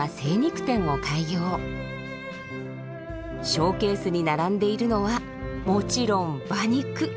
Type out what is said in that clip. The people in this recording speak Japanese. ショーケースに並んでいるのはもちろん馬肉。